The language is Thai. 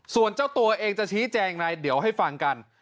ส่วนเจ้าตัวเองจะชี้แจงอย่างไรเดี๋ยวให้ฟังกัน